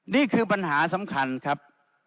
นี่คือปัญหาสำคัญครับ